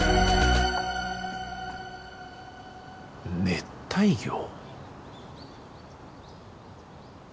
熱帯魚。